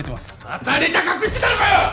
またネタ隠してたのかよ！